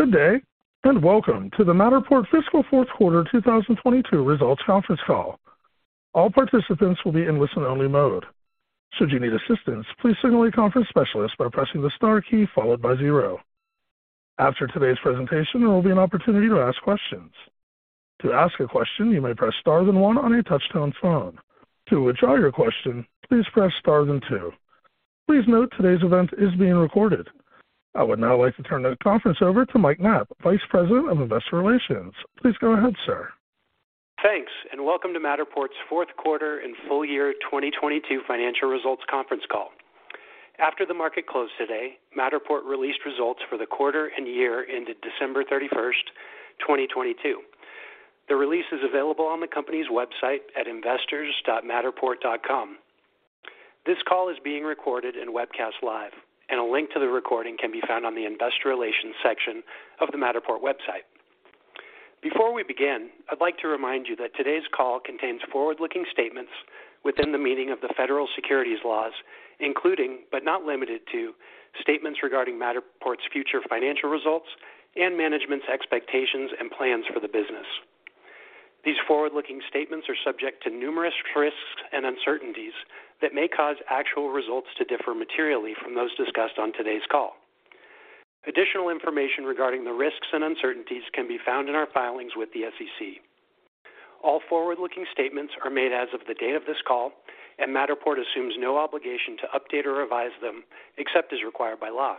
Good day. Welcome to the Matterport fiscal fourth quarter 2022 results conference call. All participants will be in listen-only mode. Should you need assistance, please signal a conference specialist by pressing the star key followed by 0. After today's presentation, there will be an opportunity to ask questions. To ask a question, you may press star then 1 on your touch-tone phone. To withdraw your question, please press star then 2. Please note today's event is being recorded. I would now like to turn the conference over to Mike Knapp, Vice President of Investor Relations. Please go ahead, sir. Welcome to Matterport's fourth quarter and full year 2022 financial results conference call. After the market closed today, Matterport released results for the quarter and year ended December 31, 2022. The release is available on the company's website at investors.matterport.com. This call is being recorded and webcast live. A link to the recording can be found on the Investor Relations section of the Matterport website. Before we begin, I'd like to remind you that today's call contains forward-looking statements within the meaning of the federal securities laws, including, but not limited to, statements regarding Matterport's future financial results and management's expectations and plans for the business. These forward-looking statements are subject to numerous risks and uncertainties that may cause actual results to differ materially from those discussed on today's call. Additional information regarding the risks and uncertainties can be found in our filings with the SEC. All forward-looking statements are made as of the date of this call, and Matterport assumes no obligation to update or revise them except as required by law.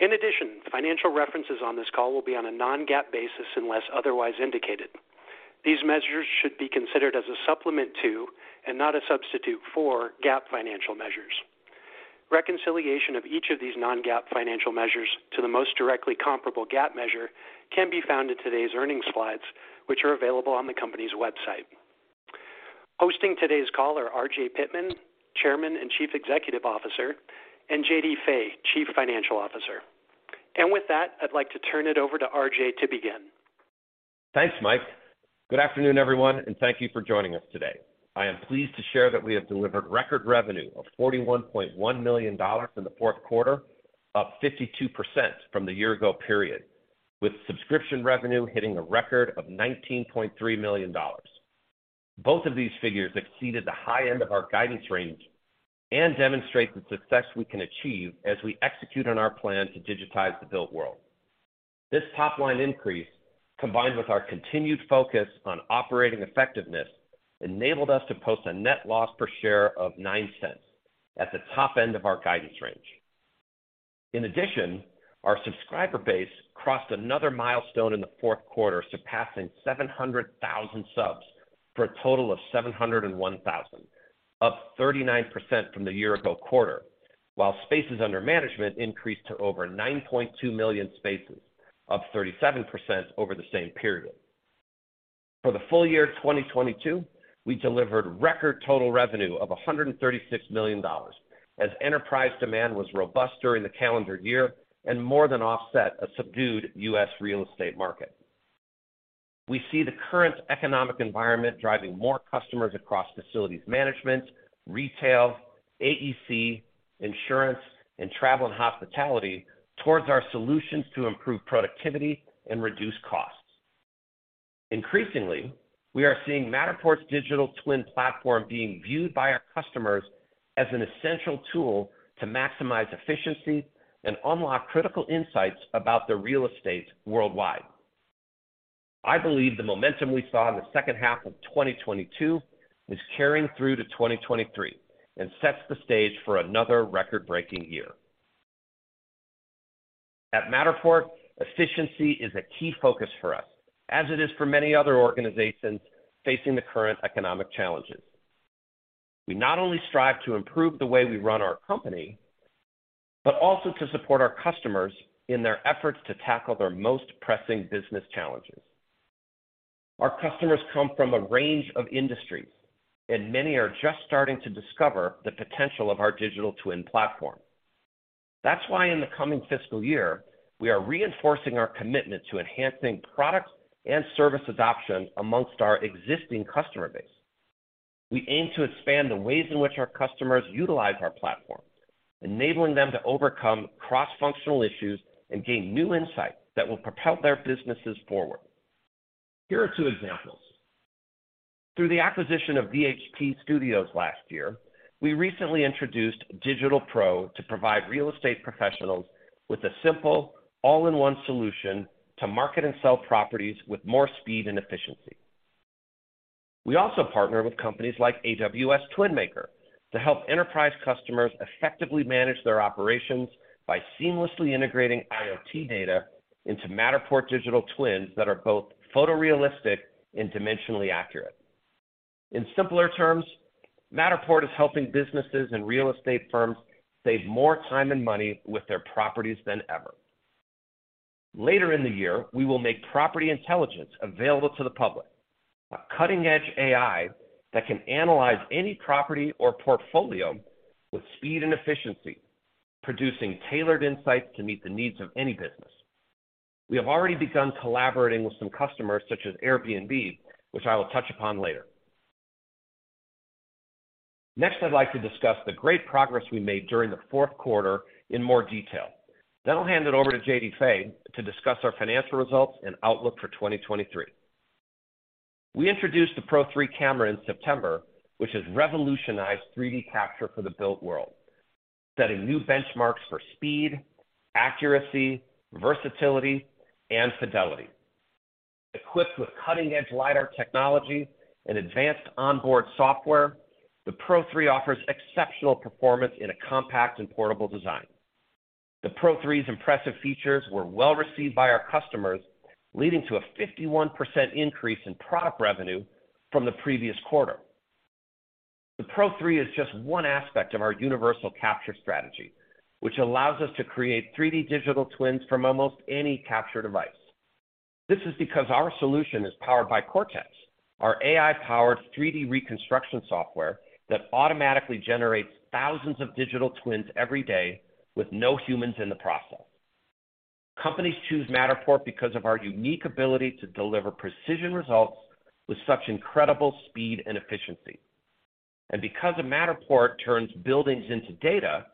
In addition, financial references on this call will be on a non-GAAP basis unless otherwise indicated. These measures should be considered as a supplement to, and not a substitute for, GAAP financial measures. Reconciliation of each of these non-GAAP financial measures to the most directly comparable GAAP measure can be found in today's earnings slides, which are available on the company's website. Hosting today's call are RJ Pittman, Chairman and Chief Executive Officer, and JD Fay, Chief Financial Officer. With that, I'd like to turn it over to RJ to begin. Thanks, Mike. Good afternoon, everyone, and thank you for joining us today. I am pleased to share that we have delivered record revenue of $41.1 million in the fourth quarter, up 52% from the year-ago period, with subscription revenue hitting a record of $19.3 million. Both of these figures exceeded the high end of our guidance range and demonstrate the success we can achieve as we execute on our plan to digitize the built world. This top-line increase, combined with our continued focus on operating effectiveness, enabled us to post a net loss per share of $0.09 at the top end of our guidance range. Our subscriber base crossed another milestone in the fourth quarter, surpassing 700,000 subs for a total of 701,000, up 39% from the year-ago quarter, while spaces under management increased to over 9.2 million spaces, up 37% over the same period. For the full year 2022, we delivered record total revenue of $136 million as enterprise demand was robust during the calendar year and more than offset a subdued U.S. real estate market. We see the current economic environment driving more customers across facilities management, retail, AEC, insurance, and travel and hospitality towards our solutions to improve productivity and reduce costs. Increasingly, we are seeing Matterport's digital twin platform being viewed by our customers as an essential tool to maximize efficiency and unlock critical insights about their real estate worldwide. I believe the momentum we saw in the second half of 2022 is carrying through to 2023 and sets the stage for another record-breaking year. At Matterport, efficiency is a key focus for us, as it is for many other organizations facing the current economic challenges. We not only strive to improve the way we run our company, but also to support our customers in their efforts to tackle their most pressing business challenges. Our customers come from a range of industries, and many are just starting to discover the potential of our digital twin platform. That's why in the coming fiscal year, we are reinforcing our commitment to enhancing product and service adoption amongst our existing customer base. We aim to expand the ways in which our customers utilize our platform, enabling them to overcome cross-functional issues and gain new insight that will propel their businesses forward. Here are two examples. Through the acquisition of VHT Studios last year, we recently introduced Digital Pro to provide real estate professionals with a simple, all-in-one solution to market and sell properties with more speed and efficiency. We also partner with companies like AWS TwinMaker to help enterprise customers effectively manage their operations by seamlessly integrating IoT data into Matterport digital twins that are both photorealistic and dimensionally accurate. In simpler terms, Matterport is helping businesses and real estate firms save more time and money with their properties than ever. Later in the year, we will make Property Intelligence available to the public, a cutting-edge AI that can analyze any property or portfolio with speed and efficiency, producing tailored insights to meet the needs of any business. We have already begun collaborating with some customers such as Airbnb, which I will touch upon later. I'd like to discuss the great progress we made during the fourth quarter in more detail. I'll hand it over to JD Fay to discuss our financial results and outlook for 2023. We introduced the Pro3 Camera in September, which has revolutionized 3D capture for the built world, setting new benchmarks for speed, accuracy, versatility, and fidelity. Equipped with cutting-edge LIDAR technology and advanced onboard software, the Pro3 offers exceptional performance in a compact and portable design. The Pro3's impressive features were well-received by our customers, leading to a 51% increase in product revenue from the previous quarter. The Pro3 is just one aspect of our universal capture strategy, which allows us to create 3D digital twins from almost any capture device. This is because our solution is powered by Cortex, our AI-powered 3D reconstruction software that automatically generates thousands of digital twins every day with no humans in the process. Companies choose Matterport because of our unique ability to deliver precision results with such incredible speed and efficiency. Because Matterport turns buildings into data,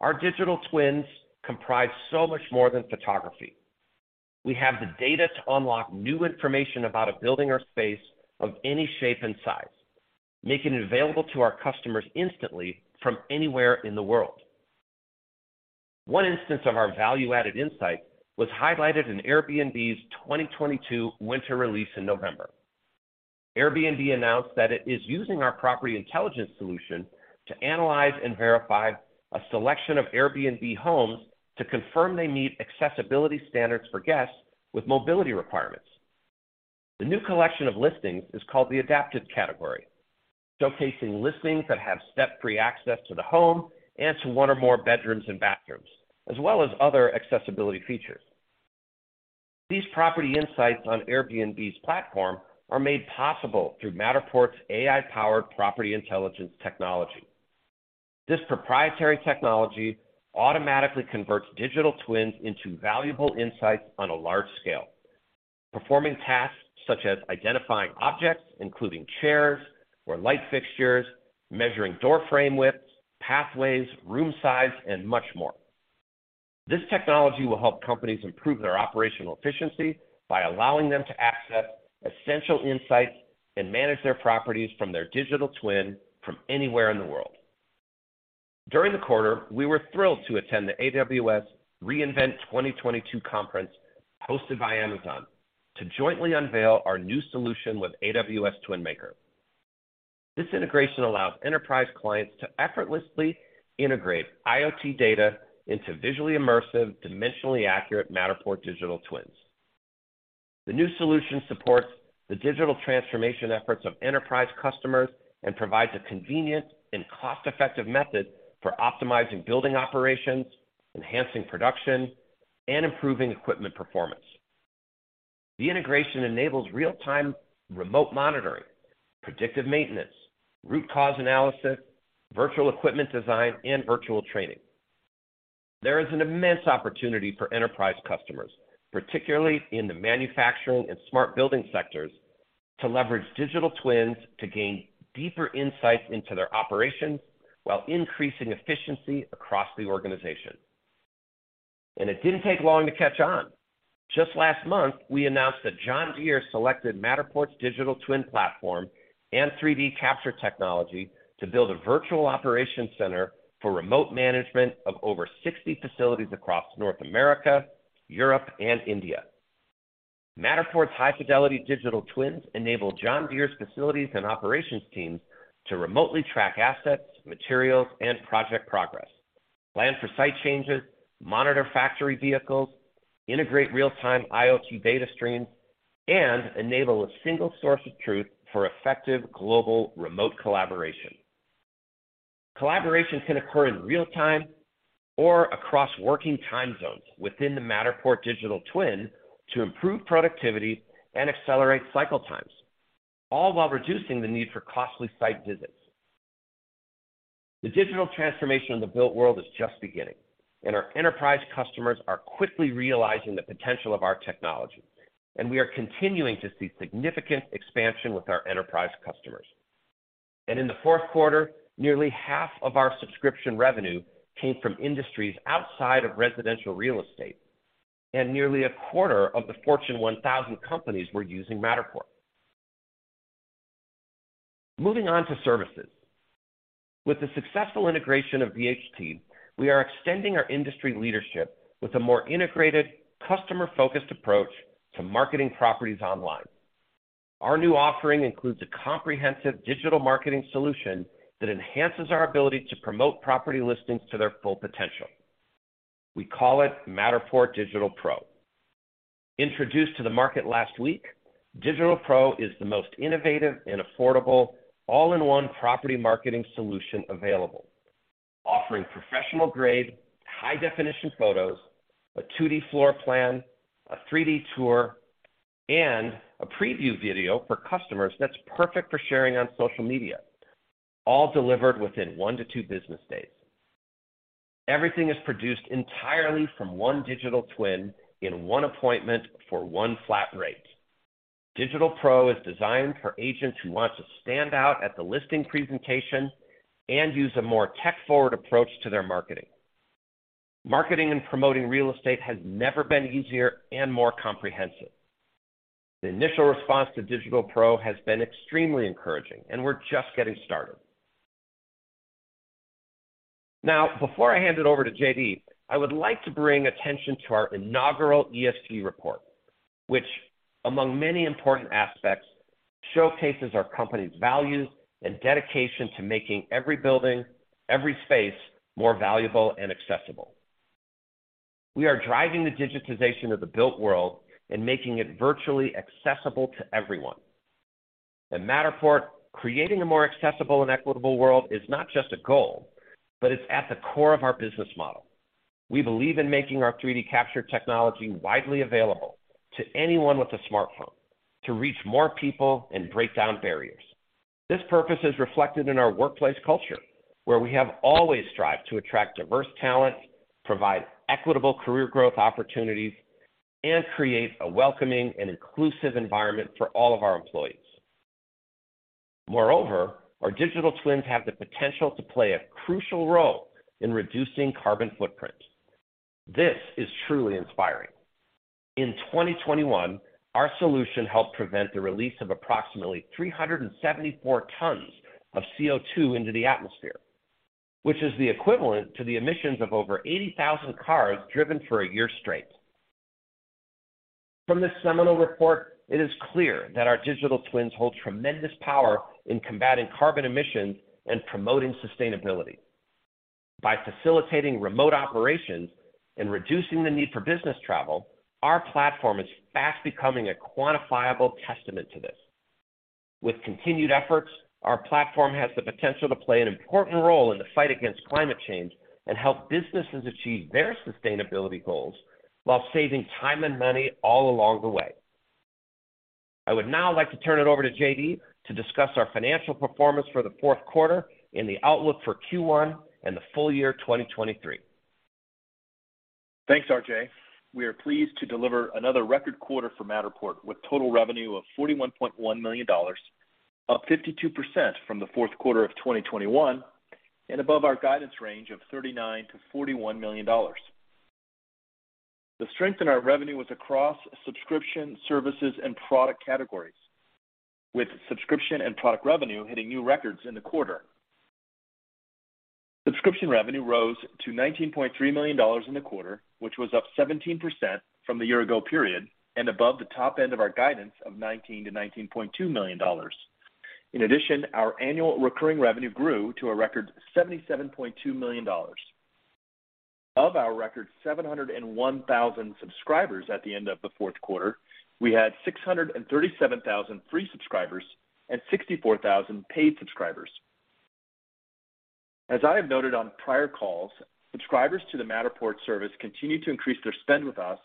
our digital twins comprise so much more than photography. We have the data to unlock new information about a building or space of any shape and size, making it available to our customers instantly from anywhere in the world. One instance of our value-added insight was highlighted in Airbnb's 2022 winter release in November. Airbnb announced that it is using our Property Intelligence solution to analyze and verify a selection of Airbnb homes to confirm they meet accessibility standards for guests with mobility requirements. The new collection of listings is called the Adapted category, showcasing listings that have step-free access to the home and to one or more bedrooms and bathrooms, as well as other accessibility features. These property insights on Airbnb's platform are made possible through Matterport's AI-powered Property Intelligence technology. This proprietary technology automatically converts digital twins into valuable insights on a large scale, performing tasks such as identifying objects, including chairs or light fixtures, measuring door frame widths, pathways, room size, and much more. This technology will help companies improve their operational efficiency by allowing them to access essential insights and manage their properties from their digital twin from anywhere in the world. During the quarter, we were thrilled to attend the AWS re:Invent 2022 conference hosted by Amazon to jointly unveil our new solution with AWS IoT TwinMaker. This integration allows enterprise clients to effortlessly integrate IoT data into visually immersive, dimensionally accurate Matterport digital twins. The new solution supports the digital transformation efforts of enterprise customers and provides a convenient and cost-effective method for optimizing building operations, enhancing production, and improving equipment performance. The integration enables real-time remote monitoring, predictive maintenance, root cause analysis, virtual equipment design, and virtual training. There is an immense opportunity for enterprise customers, particularly in the manufacturing and smart building sectors, to leverage digital twins to gain deeper insights into their operations while increasing efficiency across the organization. It didn't take long to catch on. Just last month, we announced that John Deere selected Matterport's digital twin platform and 3D capture technology to build a virtual operations center for remote management of over 60 facilities across North America, Europe, and India. Matterport's high-fidelity digital twins enable John Deere's facilities and operations teams to remotely track assets, materials, and project progress, plan for site changes, monitor factory vehicles, integrate real-time IoT data streams, and enable a single source of truth for effective global remote collaboration. Collaboration can occur in real time or across working time zones within the Matterport digital twin to improve productivity and accelerate cycle times, all while reducing the need for costly site visits. The digital transformation of the built world is just beginning, and our enterprise customers are quickly realizing the potential of our technology, and we are continuing to see significant expansion with our enterprise customers. In the fourth quarter, nearly half of our subscription revenue came from industries outside of residential real estate, and nearly a quarter of the Fortune 1,000 companies were using Matterport. Moving on to services. With the successful integration of VHT, we are extending our industry leadership with a more integrated, customer-focused approach to marketing properties online. Our new offering includes a comprehensive digital marketing solution that enhances our ability to promote property listings to their full potential. We call it Matterport Digital Pro. Introduced to the market last week, Digital Pro is the most innovative and affordable all-in-one property marketing solution available, offering professional-grade high-definition photos, a 2D floor plan, a 3D tour, and a preview video for customers that's perfect for sharing on social media, all delivered within 1 to 2 business days. Everything is produced entirely from one digital twin in one appointment for one flat rate. Digital Pro is designed for agents who want to stand out at the listing presentation and use a more tech-forward approach to their marketing. Marketing and promoting real estate has never been easier and more comprehensive. The initial response to Digital Pro has been extremely encouraging, and we're just getting started. Now, before I hand it over to JD, I would like to bring attention to our inaugural ESG report, which among many important aspects, showcases our company's values and dedication to making every building, every space, more valuable and accessible. We are driving the digitization of the built world and making it virtually accessible to everyone. At Matterport, creating a more accessible and equitable world is not just a goal, but it's at the core of our business model. We believe in making our 3D capture technology widely available to anyone with a smartphone to reach more people and break down barriers. This purpose is reflected in our workplace culture, where we have always strived to attract diverse talent, provide equitable career growth opportunities, and create a welcoming and inclusive environment for all of our employees. Moreover, our digital twins have the potential to play a crucial role in reducing carbon footprints. This is truly inspiring. In 2021, our solution helped prevent the release of approximately 374 tons of CO₂ into the atmosphere, which is equivalent to the emissions of over 80,000 cars driven for a year straight. From this seminal report, it is clear that our digital twins hold tremendous power in combating carbon emissions and promoting sustainability. By facilitating remote operations and reducing the need for business travel, our platform is fast becoming a quantifiable testament to this. With continued efforts, our platform has the potential to play an important role in the fight against climate change and help businesses achieve their sustainability goals while saving time and money all along the way. I would now like to turn it over to JD to discuss our financial performance for the fourth quarter and the outlook for Q1 and the full year 2023. Thanks, RJ. We are pleased to deliver another record quarter for Matterport with total revenue of $41.1 million, up 52% from the fourth quarter of 2021 and above our guidance range of $39 million-$41 million. The strength in our revenue was across subscription, services, and product categories, with subscription and product revenue hitting new records in the quarter. Subscription revenue rose to $19.3 million in the quarter, which was up 17% from the year ago period and above the top end of our guidance of $19 million-$19.2 million. Our annual recurring revenue grew to a record $77.2 million. Of our record 701,000 subscribers at the end of the fourth quarter, we had 637,000 free subscribers and 64,000 paid subscribers. As I have noted on prior calls, subscribers to the Matterport service continued to increase their spend with us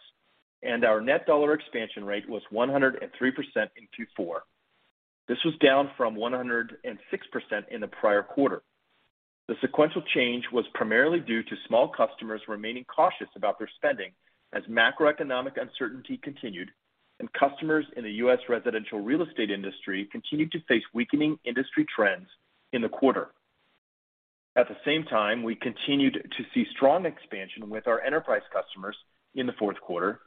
and our Net Dollar Expansion Rate was 103% in Q4. This was down from 106% in the prior quarter. The sequential change was primarily due to small customers remaining cautious about their spending as macroeconomic uncertainty continued and customers in the U.S. residential real estate industry continued to face weakening industry trends in the quarter. At the same time, we continued to see strong expansion with our enterprise customers in the fourth quarter,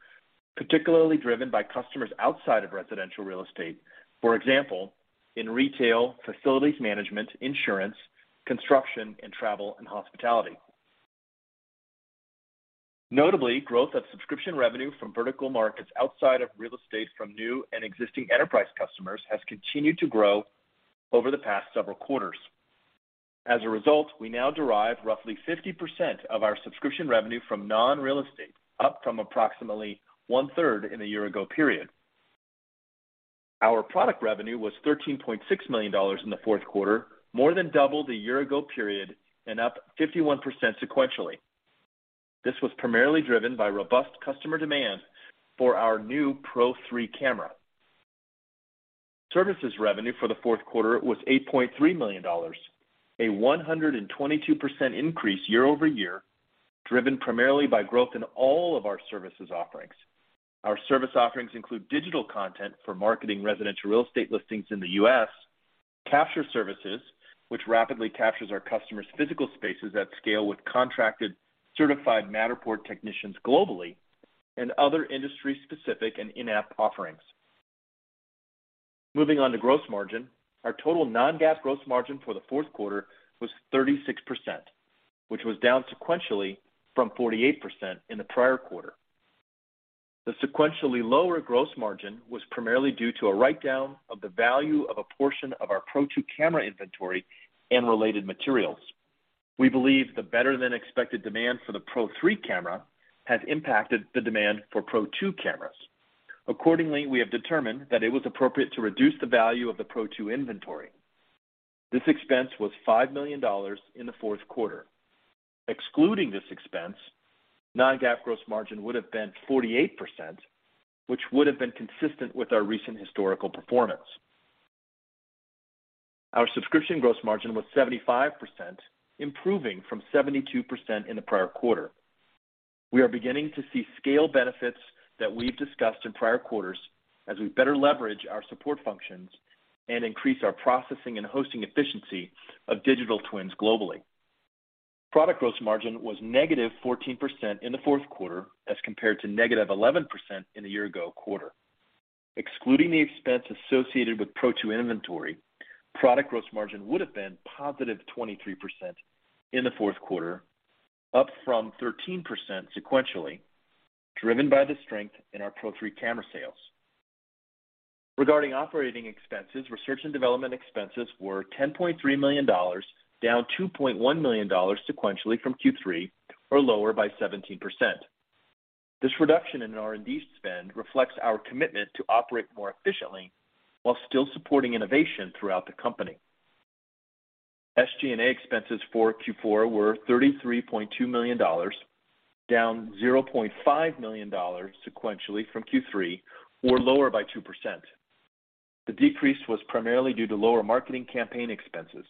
particularly driven by customers outside of residential real estate. For example, in retail, facilities management, insurance, construction, and travel and hospitality. Notably, growth of subscription revenue from vertical markets outside of real estate from new and existing enterprise customers has continued to grow over the past several quarters. As a result, we now derive roughly 50% of our subscription revenue from non-real estate, up from approximately one-third in the year-ago period. Our product revenue was $13.6 million in the fourth quarter, more than double the year-ago period and up 51% sequentially. This was primarily driven by robust customer demand for our new Pro3 camera. Services revenue for the fourth quarter was $8.3 million, a 122% increase year-over-year, driven primarily by growth in all of our services offerings. Our service offerings include digital content for marketing residential real estate listings in the U.S., capture services, which rapidly captures our customers' physical spaces at scale with contracted certified Matterport technicians globally, and other industry-specific and in-app offerings. Moving on to gross margin. Our total non-GAAP gross margin for the fourth quarter was 36%, which was down sequentially from 48% in the prior quarter. The sequentially lower gross margin was primarily due to a write-down of the value of a portion of our Pro2 camera inventory and related materials. We believe the better-than-expected demand for the Pro3 camera has impacted the demand for Pro2 cameras. We have determined that it was appropriate to reduce the value of the Pro2 inventory. This expense was $5 million in the fourth quarter. Excluding this expense, non-GAAP gross margin would have been 48%, which would have been consistent with our recent historical performance. Our subscription gross margin was 75%, improving from 72% in the prior quarter. We are beginning to see scale benefits that we've discussed in prior quarters as we better leverage our support functions and increase our processing and hosting efficiency of digital twins globally. Product gross margin was negative 14% in the fourth quarter as compared to negative 11% in the year ago quarter. Excluding the expense associated with Pro2 inventory, product gross margin would have been positive 23% in the fourth quarter, up from 13% sequentially, driven by the strength in our Pro3 camera sales. Regarding operating expenses, research and development expenses were $10.3 million, down $2.1 million sequentially from Q3 or lower by 17%. This reduction in R&D spend reflects our commitment to operate more efficiently while still supporting innovation throughout the company. SG&A expenses for Q4 were $33.2 million, down $0.5 million sequentially from Q3 or lower by 2%. The decrease was primarily due to lower marketing campaign expenses.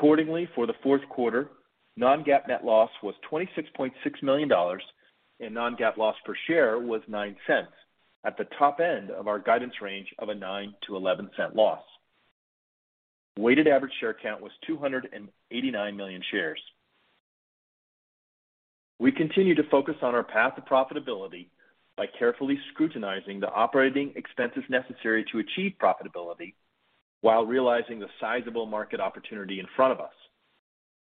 For the fourth quarter, non-GAAP net loss was $26.6 million, and non-GAAP loss per share was $0.09 at the top end of our guidance range of a $0.09-$0.11 loss. Weighted average share count was 289 million shares. We continue to focus on our path to profitability by carefully scrutinizing the operating expenses necessary to achieve profitability while realizing the sizable market opportunity in front of us.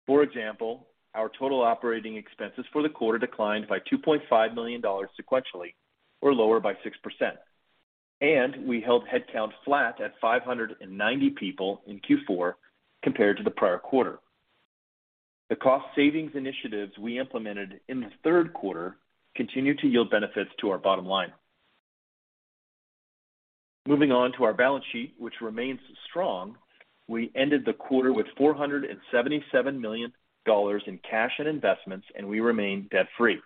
For example, our total operating expenses for the quarter declined by $2.5 million sequentially or lower by 6%, and we held headcount flat at 590 people in Q4 compared to the prior quarter. The cost savings initiatives we implemented in the third quarter continued to yield benefits to our bottom line. Moving on to our balance sheet, which remains strong, we ended the quarter with $477 million in cash and investments, and we remain debt-free.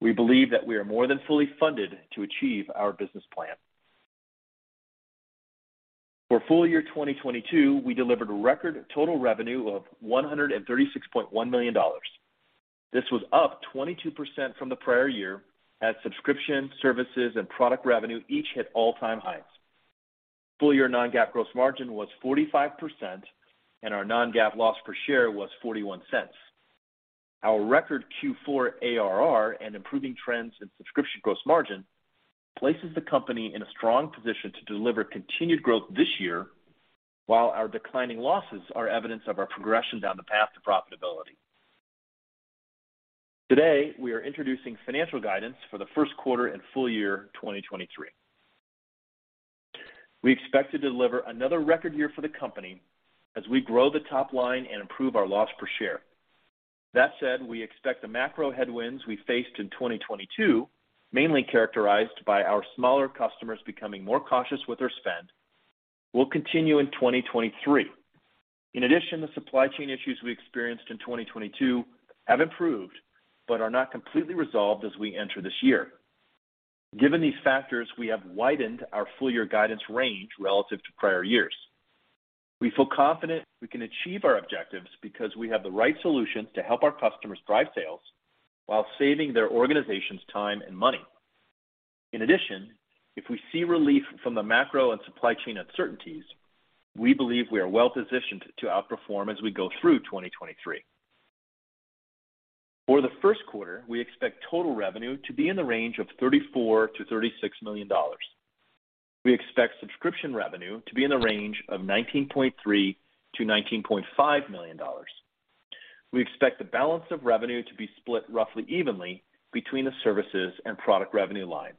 We believe that we are more than fully funded to achieve our business plan. For full year 2022, we delivered a record total revenue of $136.1 million. This was up 22% from the prior year, as subscription, services, and product revenue each hit all-time highs. Full year non-GAAP gross margin was 45%, and our non-GAAP loss per share was $0.41. Our record Q4 ARR and improving trends in subscription gross margin places the company in a strong position to deliver continued growth this year, while our declining losses are evidence of our progression down the path to profitability. Today, we are introducing financial guidance for the first quarter and full year 2023. We expect to deliver another record year for the company as we grow the top line and improve our loss per share. That said, we expect the macro headwinds we faced in 2022, mainly characterized by our smaller customers becoming more cautious with their spend, will continue in 2023. The supply chain issues we experienced in 2022 have improved but are not completely resolved as we enter this year. Given these factors, we have widened our full year guidance range relative to prior years. We feel confident we can achieve our objectives because we have the right solutions to help our customers drive sales while saving their organizations time and money. If we see relief from the macro and supply chain uncertainties, we believe we are well-positioned to outperform as we go through 2023. For the first quarter, we expect total revenue to be in the range of $34 million-$36 million. We expect subscription revenue to be in the range of $19.3 million-$19.5 million. We expect the balance of revenue to be split roughly evenly between the services and product revenue lines.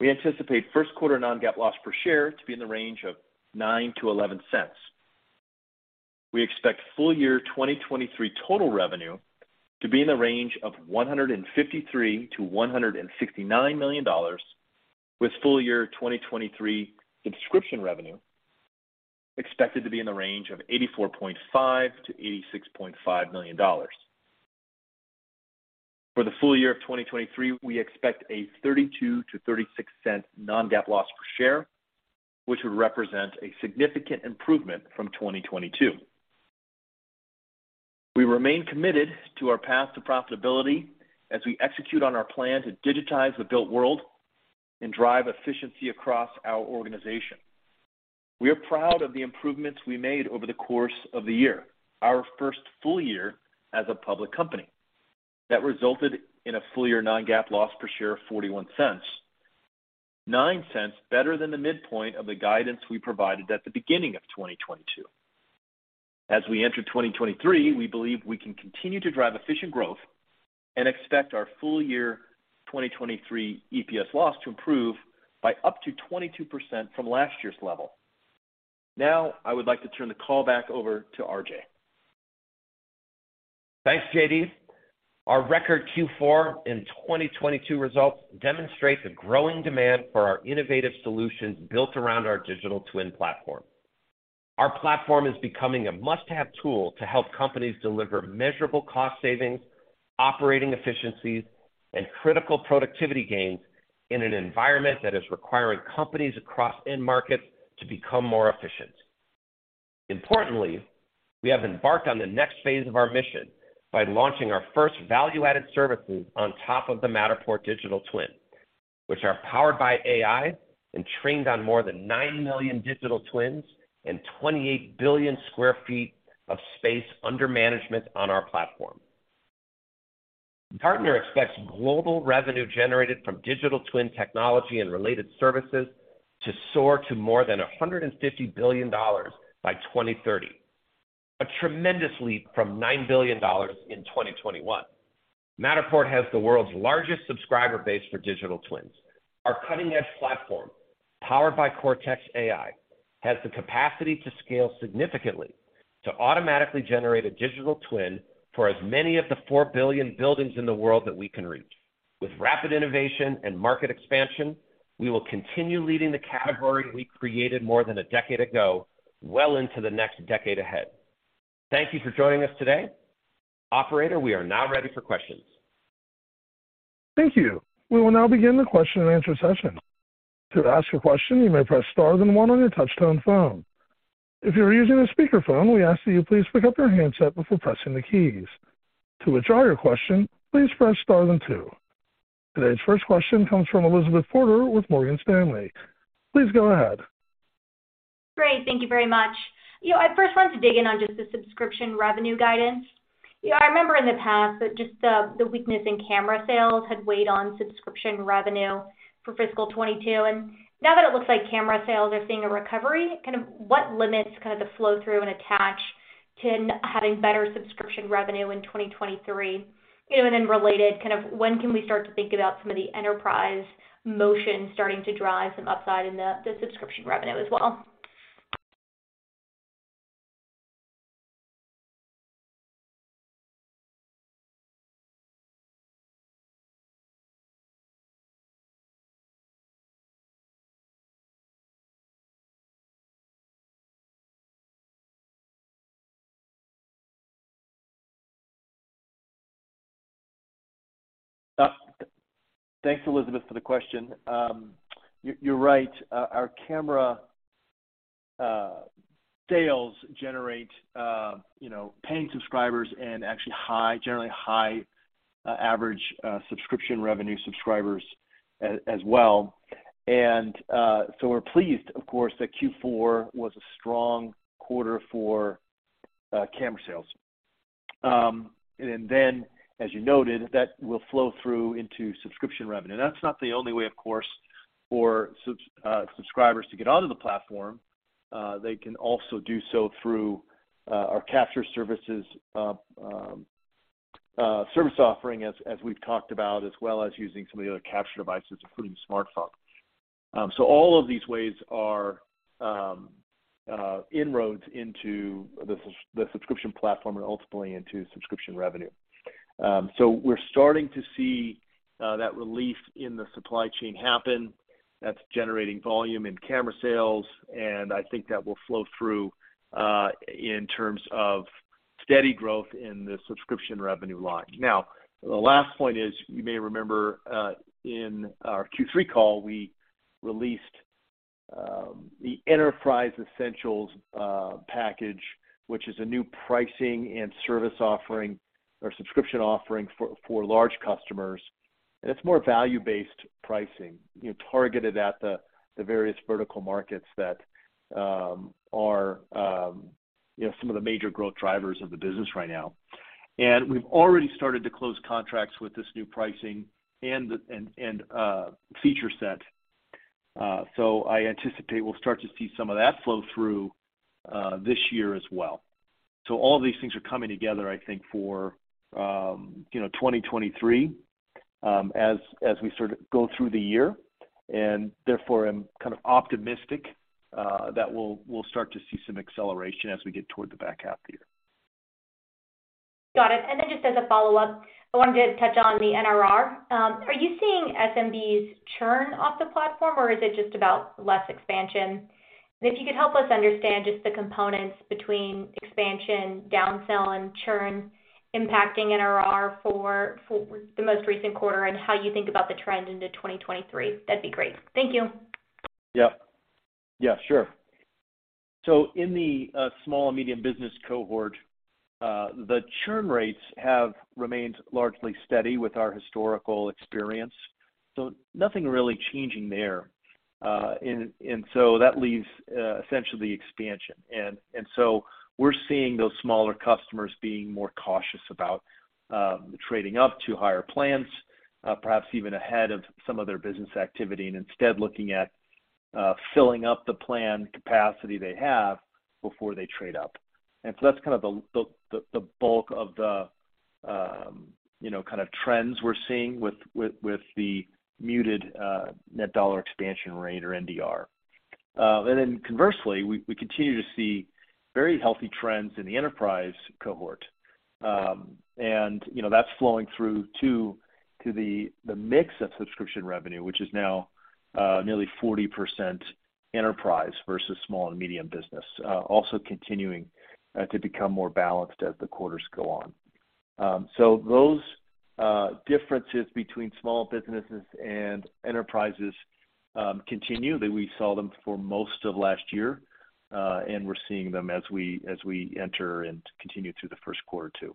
We anticipate first quarter non-GAAP loss per share to be in the range of $0.09-$0.11. We expect full year 2023 total revenue to be in the range of $153 million-$159 million, with full year 2023 subscription revenue expected to be in the range of $84.5 million-$86.5 million. For the full year of 2023, we expect a $0.32-$0.36 non-GAAP loss per share, which would represent a significant improvement from 2022. We remain committed to our path to profitability as we execute on our plan to digitize the built world and drive efficiency across our organization. We are proud of the improvements we made over the course of the year, our first full year as a public company. That resulted in a full year non-GAAP loss per share of $0.41, $0.09 better than the midpoint of the guidance we provided at the beginning of 2022. As we enter 2023, we believe we can continue to drive efficient growth and expect our full year 2023 EPS loss to improve by up to 22% from last year's level. I would like to turn the call back over to RJ. Thanks, JD. Our record Q4 in 2022 results demonstrate the growing demand for our innovative solutions built around our digital twin platform. Our platform is becoming a must-have tool to help companies deliver measurable cost savings, operating efficiencies, and critical productivity gains in an environment that is requiring companies across end markets to become more efficient. Importantly, we have embarked on the next phase of our mission by launching our first value-added services on top of the Matterport digital twin, which are powered by AI and trained on more than 9 million digital twins and 28 billion square feet of space under management on our platform. Gartner expects global revenue generated from digital twin technology and related services to soar to more than $150 billion by 2030, a tremendous leap from $9 billion in 2021. Matterport has the world's largest subscriber base for digital twins. Our cutting-edge platform, powered by Cortex AI, has the capacity to scale significantly to automatically generate a digital twin for as many of the 4 billion buildings in the world that we can reach. With rapid innovation and market expansion, we will continue leading the category we created more than a decade ago, well into the next decade ahead. Thank you for joining us today. Operator, we are now ready for questions. Thank you. We will now begin the question and answer session. To ask a question, you may press star then one on your touch-tone phone. If you are using a speakerphone, we ask that you please pick up your handset before pressing the keys. To withdraw your question, please press star then two. Today's first question comes from Elizabeth Porter with Morgan Stanley. Please go ahead. Great. Thank you very much. You know, I first wanted to dig in on just the subscription revenue guidance. You know, I remember in the past that just the weakness in camera sales had weighed on subscription revenue for fiscal 2022, and now that it looks like camera sales are seeing a recovery, kind of what limits kind of the flow-through and attach to having better subscription revenue in 2023? You know, related, kind of when can we start to think about some of the enterprise motion starting to drive some upside in the subscription revenue as well? Thanks, Elizabeth, for the question. You're right, our camera sales generate, you know, paying subscribers and actually generally high, average subscription revenue subscribers as well. We're pleased, of course, that Q4 was a strong quarter for camera sales. As you noted, that will flow through into subscription revenue. That's not the only way, of course, for subscribers to get onto the platform. They can also do so through our capture services, service offering as we've talked about, as well as using some of the other capture devices, including smartphones. All of these ways are inroads into the subscription platform and ultimately into subscription revenue. We're starting to see that relief in the supply chain happen. That's generating volume in camera sales, I think that will flow through in terms of steady growth in the subscription revenue line. Now, the last point is, you may remember, in our Q3 call, we released the Enterprise Essentials package, which is a new pricing and service offering or subscription offering for large customers. It's more value-based pricing, you know, targeted at the various vertical markets that are, you know, some of the major growth drivers of the business right now. We've already started to close contracts with this new pricing and feature set. I anticipate we'll start to see some of that flow through this year as well. All of these things are coming together, I think, for, you know, 2023, as we sort of go through the year, and therefore I'm kind of optimistic, that we'll start to see some acceleration as we get toward the back half of the year. Got it. Just as a follow-up, I wanted to touch on the NRR. Are you seeing SMBs churn off the platform, or is it just about less expansion? If you could help us understand just the components between expansion, down-sell, and churn impacting NRR for the most recent quarter and how you think about the trend into 2023, that'd be great. Thank you. Yep. Yeah, sure. In the small and medium business cohort, the churn rates have remained largely steady with our historical experience, so nothing really changing there. That leaves essentially expansion. We're seeing those smaller customers being more cautious about trading up to higher plans, perhaps even ahead of some of their business activity and instead looking at filling up the plan capacity they have before they trade up. That's kind of the bulk of the, you know, kind of trends we're seeing with the muted Net Dollar Expansion Rate or NDR. Conversely, we continue to see very healthy trends in the enterprise cohort. You know, that's flowing through to the mix of subscription revenue, which is now nearly 40% enterprise versus small and medium business. Also continuing to become more balanced as the quarters go on. Those differences between small businesses and enterprises continue that we saw them for most of last year, and we're seeing them as we, as we enter and continue through the first quarter too.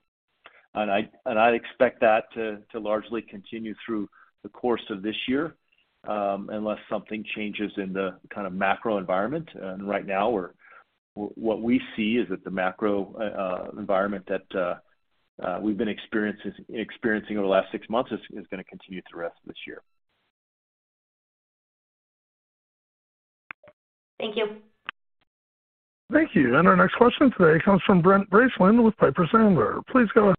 I expect that to largely continue through the course of this year, unless something changes in the kind of macro environment. Right now what we see is that the macro environment that we've been experiencing over the last 6 months is gonna continue through the rest of this year. Thank you. Thank you. Our next question today comes from Brent Bracelin with Piper Sandler. Please go ahead.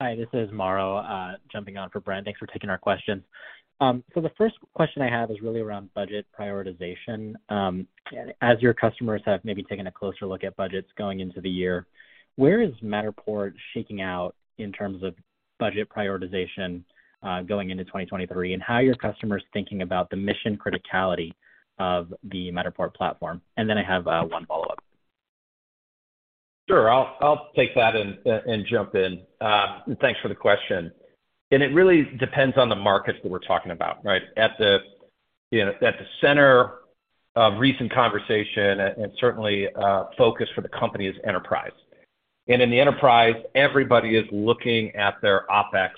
Hi, this is Mauro, jumping on for Brent. Thanks for taking our question. The first question I have is really around budget prioritization. As your customers have maybe taken a closer look at budgets going into the year, where is Matterport shaking out in terms of budget prioritization, going into 2023? How are your customers thinking about the mission criticality of the Matterport platform? I have one follow-up. Sure. I'll take that and jump in. Thanks for the question. It really depends on the markets that we're talking about, right? At the, you know, at the center of recent conversation and certainly, focus for the company is enterprise. In the enterprise, everybody is looking at their OpEx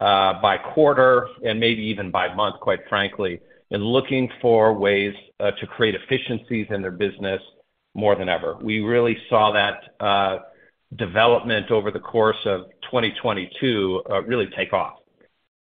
by quarter and maybe even by month, quite frankly, and looking for ways to create efficiencies in their business more than ever. We really saw that development over the course of 2022 really take off.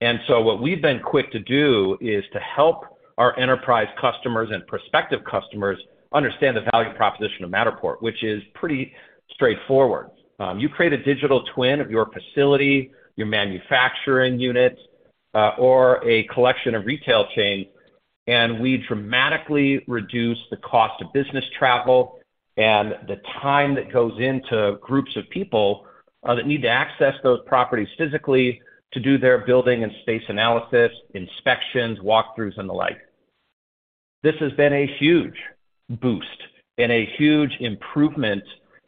What we've been quick to do is to help our enterprise customers and prospective customers understand the value proposition of Matterport, which is pretty straightforward. You create a digital twin of your facility, your manufacturing unit, or a collection of retail chain, and we dramatically reduce the cost of business travel and the time that goes into groups of people that need to access those properties physically to do their building and space analysis, inspections, walkthroughs, and the like. This has been a huge boost and a huge improvement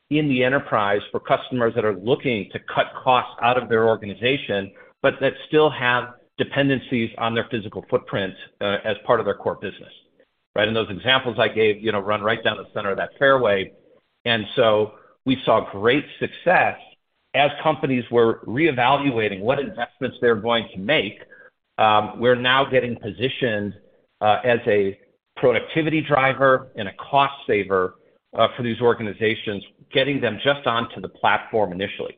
in the enterprise for customers that are looking to cut costs out of their organization, but that still have dependencies on their physical footprint as part of their core business, right? Those examples I gave, you know, run right down the center of that fairway. We saw great success. As companies were reevaluating what investments they're going to make, we're now getting positioned as a productivity driver and a cost saver for these organizations, getting them just onto the platform initially.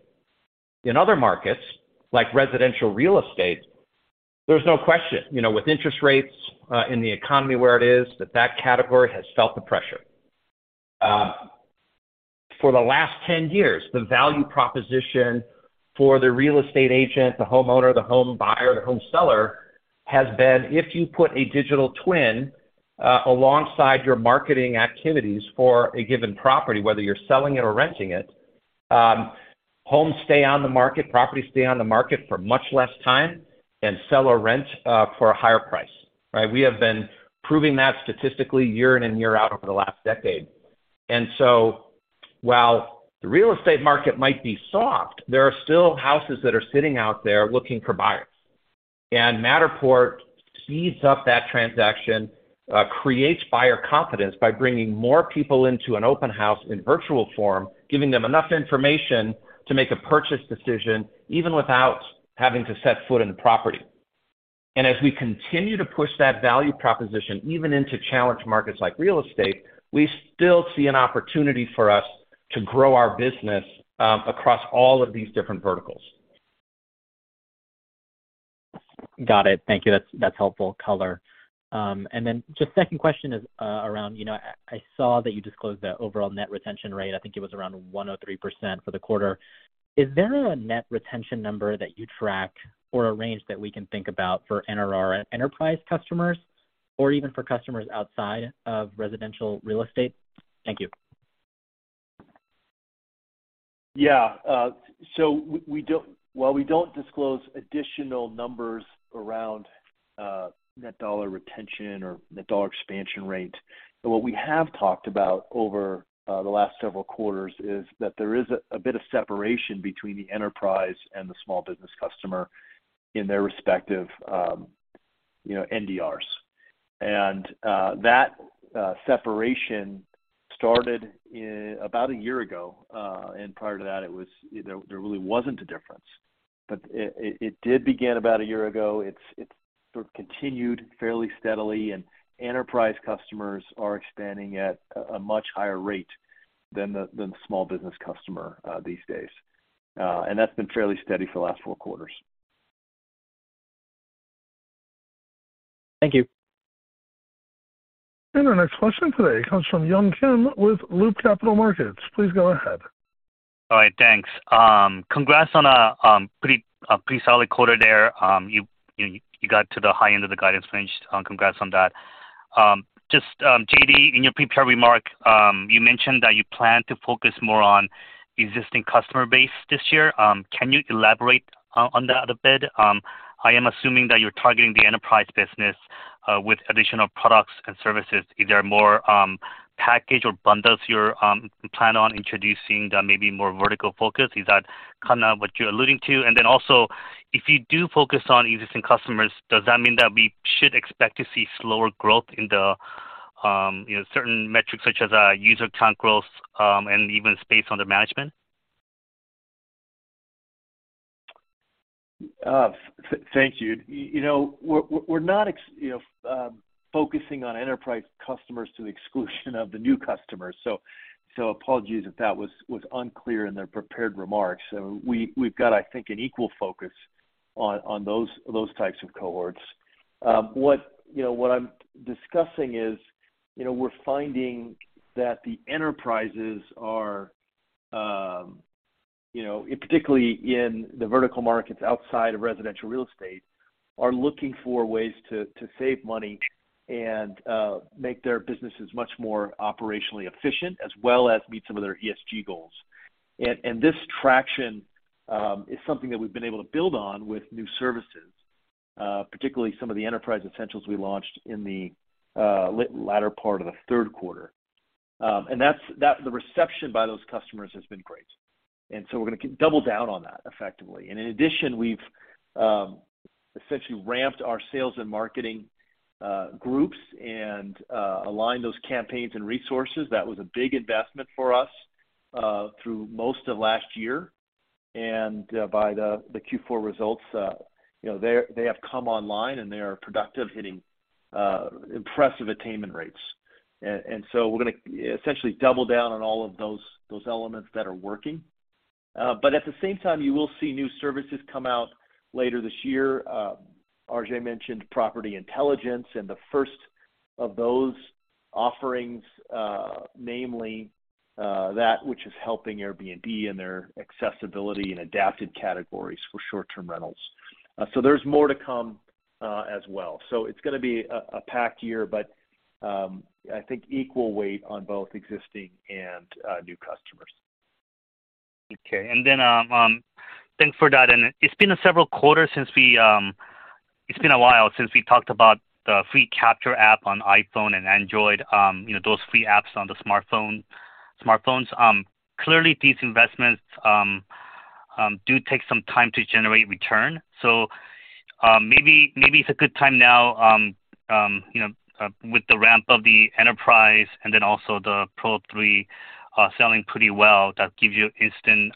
In other markets, like residential real estate, there's no question, you know, with interest rates in the economy where it is, that that category has felt the pressure. For the last 10 years, the value proposition for the real estate agent, the homeowner, the home buyer, the home seller, has been, if you put a digital twin alongside your marketing activities for a given property, whether you're selling it or renting it, homes stay on the market, properties stay on the market for much less time and sell or rent for a higher price, right? We have been proving that statistically year in and year out over the last decade. While the real estate market might be soft, there are still houses that are sitting out there looking for buyers. Matterport speeds up that transaction, creates buyer confidence by bringing more people into an open house in virtual form, giving them enough information to make a purchase decision, even without having to set foot in the property. As we continue to push that value proposition, even into challenged markets like real estate, we still see an opportunity for us to grow our business, across all of these different verticals. Got it. Thank you. That's helpful color. Just second question is, around, you know, I saw that you disclosed the overall net retention rate. I think it was around 103% for the quarter. Is there a net retention number that you track or a range that we can think about for NRR enterprise customers or even for customers outside of residential real estate? Thank you. While we don't disclose additional numbers around net dollar retention or net dollar expansion rate, what we have talked about over the last several quarters is that there is a bit of separation between the enterprise and the small business customer in their respective, you know, NDRs. That separation started about a year ago. Prior to that, there really wasn't a difference. It did begin about a year ago. It's sort of continued fairly steadily, and enterprise customers are expanding at a much higher rate than the small business customer these days. That's been fairly steady for the last 4 quarters. Thank you. Our next question today comes from Yun Kim with Loop Capital Markets. Please go ahead. All right. Thanks. Congrats on a pretty solid quarter there. You got to the high end of the guidance range. Congrats on that. Just, JD, in your prepared remark, you mentioned that you plan to focus more on existing customer base this year. Can you elaborate on that a bit? I am assuming that you're targeting the enterprise business with additional products and services. Is there more package or bundles you're plan on introducing that may be more vertical focused? Is that kind of what you're alluding to? Also, if you do focus on existing customers, does that mean that we should expect to see slower growth in the, you know, certain metrics such as user count growth and even space under management? Thank you. You know, we're not focusing on enterprise customers to the exclusion of the new customers. Apologies if that was unclear in the prepared remarks. We've got, I think, an equal focus on those types of cohorts. What, you know, what I'm discussing is, you know, we're finding that the enterprises are, you know, particularly in the vertical markets outside of residential real estate, are looking for ways to save money and make their businesses much more operationally efficient, as well as meet some of their ESG goals. This traction is something that we've been able to build on with new services, particularly some of the Enterprise Essentials we launched in the latter part of the third quarter. That's the reception by those customers has been great. We're gonna double down on that effectively. In addition, we've essentially ramped our sales and marketing groups and aligned those campaigns and resources. That was a big investment for us through most of last year. By the Q4 results, you know, they have come online, and they are productive, hitting impressive attainment rates. We're gonna essentially double down on all of those elements that are working. At the same time, you will see new services come out later this year. RJ mentioned Property Intelligence and the first of those offerings, namely, that which is helping Airbnb and their accessibility and Adapted categories for short-term rentals. There's more to come as well. It's gonna be a packed year, but I think equal weight on both existing and new customers. Okay. Then, thanks for that. It's been a while since we talked about the free capture app on iPhone and Android, you know, those free apps on the smartphone, smartphones. Clearly, these investments do take some time to generate return. Maybe it's a good time now, you know, with the ramp of the enterprise and then also the Pro3 selling pretty well, that gives you instant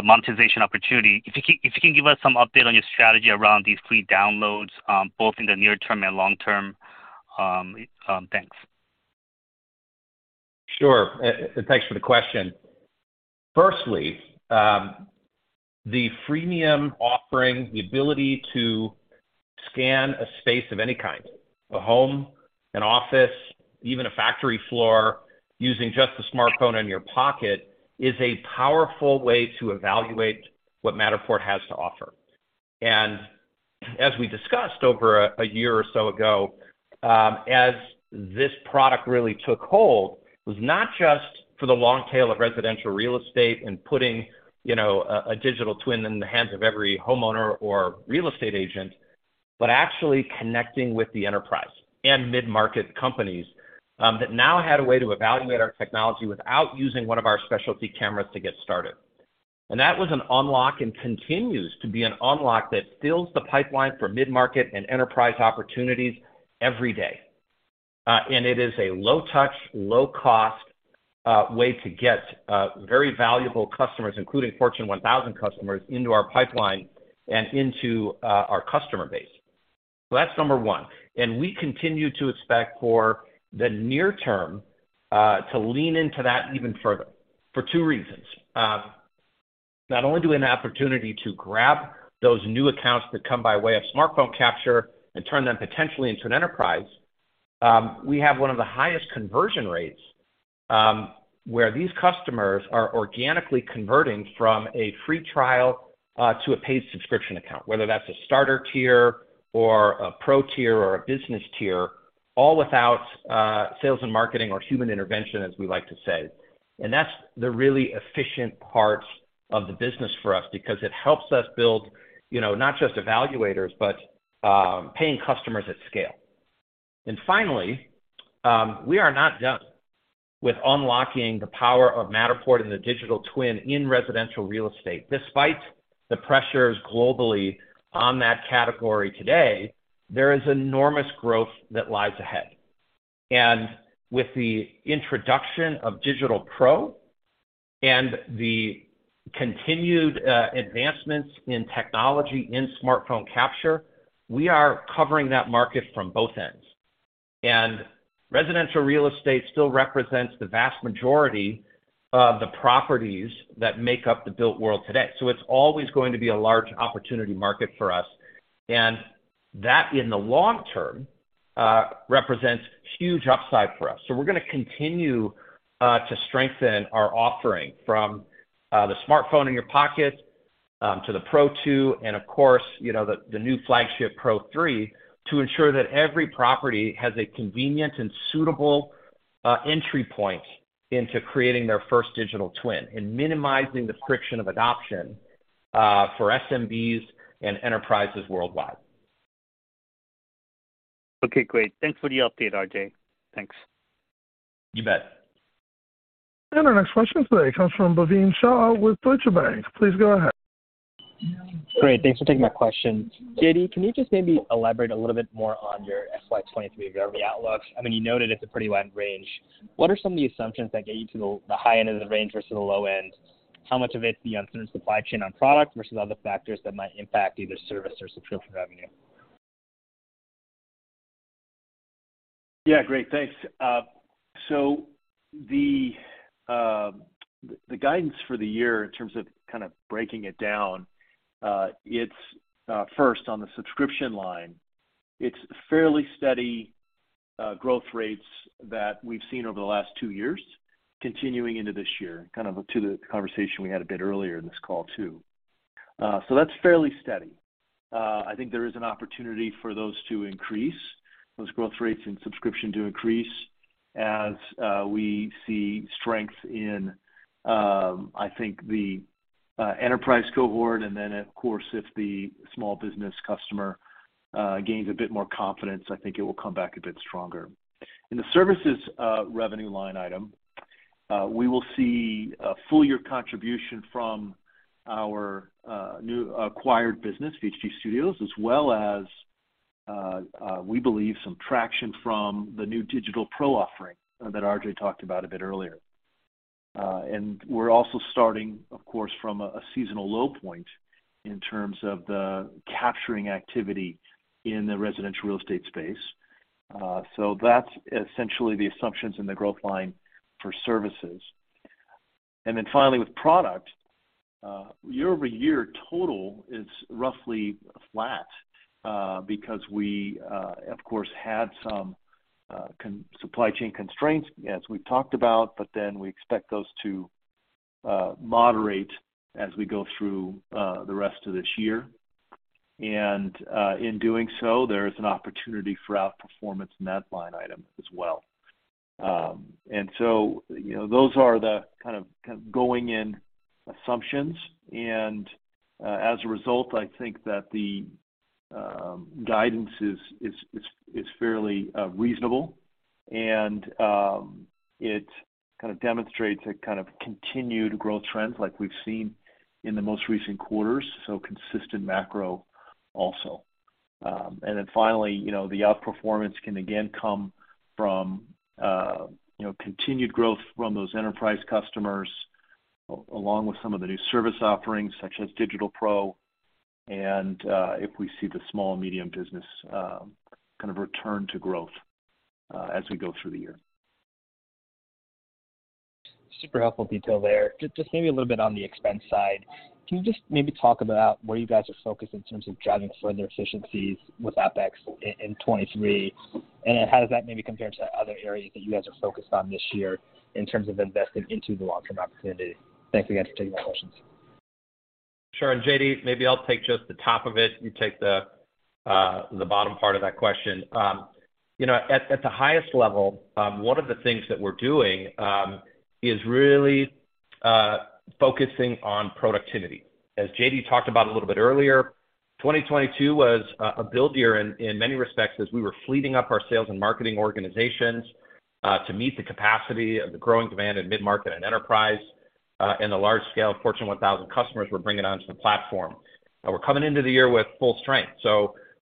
monetization opportunity. If you can give us some update on your strategy around these free downloads, both in the near term and long term, thanks. Sure. And thanks for the question. Firstly, the freemium offering, the ability to scan a space of any kind, a home, an office, even a factory floor, using just the smartphone in your pocket, is a powerful way to evaluate what Matterport has to offer. As we discussed over a year or so ago, as this product really took hold, it was not just for the long tail of residential real estate and putting, you know, a digital twin in the hands of every homeowner or real estate agent, but actually connecting with the enterprise and mid-market companies that now had a way to evaluate our technology without using one of our specialty cameras to get started. That was an unlock and continues to be an unlock that fills the pipeline for mid-market and enterprise opportunities every day. It is a low touch, low-cost way to get very valuable customers, including Fortune 1000 customers, into our pipeline and into our customer base. That's number one. We continue to expect for the near term, to lean into that even further for two reasons. Not only do we have an opportunity to grab those new accounts that come by way of smartphone capture and turn them potentially into an enterprise, we have one of the highest conversion rates, where these customers are organically converting from a free trial to a paid subscription account, whether that's a starter tier or a pro tier or a business tier, all without sales and marketing or human intervention, as we like to say. That's the really efficient part of the business for us because it helps us build, you know, not just evaluators, but paying customers at scale. Finally, we are not done with unlocking the power of Matterport and the digital twin in residential real estate. Despite the pressures globally on that category today, there is enormous growth that lies ahead. With the introduction of Digital Pro and the continued advancements in technology in smartphone capture, we are covering that market from both ends. Residential real estate still represents the vast majority of the properties that make up the built world today. It's always going to be a large opportunity market for us, and that, in the long term, represents huge upside for us. We're gonna continue to strengthen our offering from the smartphone in your pocket-to the Pro2 and of course, you know, the new flagship Pro3 to ensure that every property has a convenient and suitable entry point into creating their first digital twin and minimizing the friction of adoption for SMBs and enterprises worldwide. Okay, great. Thanks for the update, RJ. Thanks. You bet. Our next question today comes from Bhavin Shah with Deutsche Bank. Please go ahead. Great. Thanks for taking my question. JD, can you just maybe elaborate a little bit more on your FY23 revenue outlooks? I mean, you noted it's a pretty wide range. What are some of the assumptions that get you to the high end of the range versus the low end? How much of it would be related to supply chain on the product side versus other factors that might impact either service or subscription revenue? Yeah, great. Thanks. The guidance for the year in terms of kind of breaking it down, it's first on the subscription line. It's fairly steady growth rates that we've seen over the last 2 years continuing into this year, kind of to the conversation we had a bit earlier in this call too. That's fairly steady. I think there is an opportunity for those to increase, those growth rates and subscription to increase as we see strength in, I think the enterprise cohort. Of course, if the small business customer gains a bit more confidence, I think it will come back a bit stronger. In the services, revenue line item, we will see a full year contribution from our new acquired business, VHT Studios, as well as, we believe some traction from the new Digital Pro offering that RJ talked about a bit earlier. We're also starting, of course, from a seasonal low point in terms of the capturing activity in the residential real estate space. That's essentially the assumptions in the growth line for services. Finally, with product, year-over-year total is roughly flat, because we, of course, had some supply chain constraints, as we've talked about. We expect those to moderate as we go through the rest of this year. In doing so, there is an opportunity for outperformance in that line item as well. You know, those are the kind of going in assumptions. As a result, I think that the guidance is fairly reasonable and it kind of demonstrates a kind of continued growth trends like we've seen in the most recent quarters, so consistent macro also. Finally, you know, the outperformance can again come from, you know, continued growth from those enterprise customers along with some of the new service offerings such as Digital Pro and if we see the small and medium business kind of return to growth as we go through the year. Super helpful detail there. Just maybe a little bit on the expense side. Can you just maybe talk about where you guys are focused in terms of driving further efficiencies with OpEx in 23? How does that maybe compare to other areas that you guys are focused on this year in terms of investing into the long-term opportunity? Thanks again for taking my questions. Sure. JD, maybe I'll take just the top of it. You take the bottom part of that question. You know, at the highest level, one of the things that we're doing is really focusing on productivity. As JD talked about a little bit earlier, 2022 was a build year in many respects, as we were fleet­ing up our sales and marketing organizations to meet the capacity of the growing demand in mid-market and enterprise, and the large scale Fortune 1000 customers we're bringing onto the platform. We're coming into the year with full strength.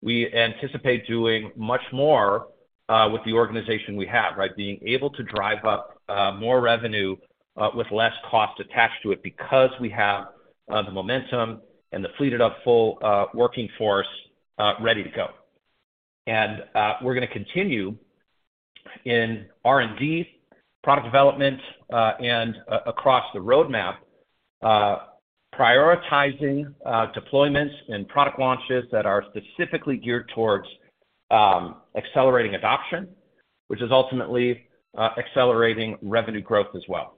We anticipate doing much more with the organization we have, right? Being able to drive up more revenue with less cost attached to it because we have the momentum and the fully staffed workforce ready to go. We're gonna continue in R&D, product development, and across the roadmap, prioritizing deployments and product launches that are specifically geared towards accelerating adoption, which is ultimately accelerating revenue growth as well.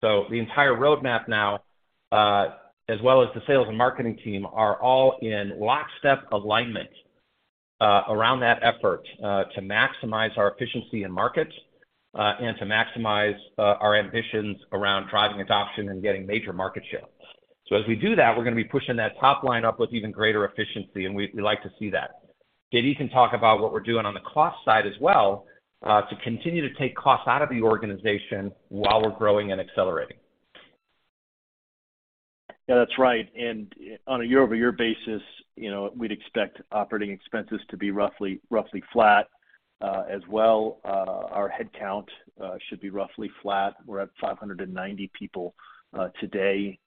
The entire roadmap now, as well as the sales and marketing team, are all in lockstep alignment around that effort to maximize our efficiency in market, and to maximize our ambitions around driving adoption and getting major market share. As we do that, we're gonna be pushing that top line up with even greater efficiency, and we like to see that. JD can talk about what we're doing on the cost side as well, to continue to take costs out of the organization while we're growing and accelerating. That's right. On a year-over-year basis, you know, we'd expect operating expenses to be roughly flat. As well, our headcount should be roughly flat. We're at 590 people today,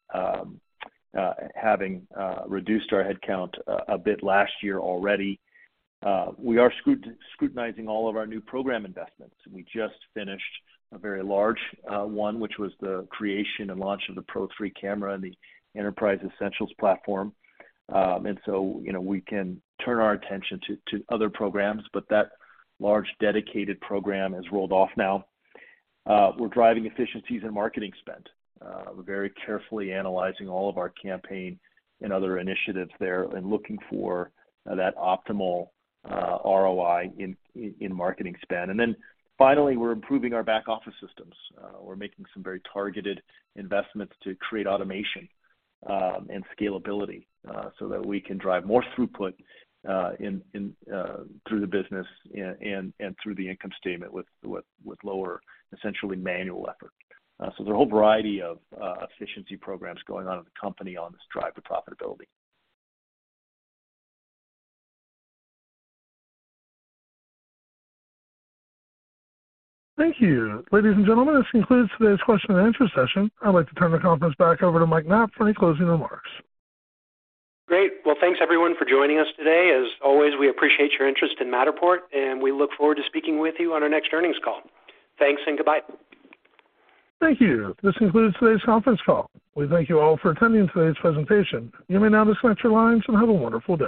having reduced our headcount a bit last year already. We are scrutinizing all of our new program investments. We just finished a very large one, which was the creation and launch of the Pro3 camera and the Enterprise Essentials platform. You know, we can turn our attention to other programs, but that large dedicated program has rolled off now. We're driving efficiencies in marketing spend. We're very carefully analyzing all of our campaign and other initiatives there and looking for that optimal ROI in marketing spend. Finally, we're improving our back office systems. We're making some very targeted investments to create automation and scalability so that we can drive more throughput through the business and through the income statement with lower, essentially manual effort. There are a whole variety of efficiency programs going on in the company on this drive to profitability. Thank you. Ladies and gentlemen, this concludes today's question and answer session. I'd like to turn the conference back over to Mike Knapp for any closing remarks. Great. Well, thanks everyone for joining us today. As always, we appreciate your interest in Matterport, and we look forward to speaking with you on our next earnings call. Thanks and goodbye. Thank you. This concludes today's conference call. We thank you all for attending today's presentation. You may now disconnect your lines and have a wonderful day.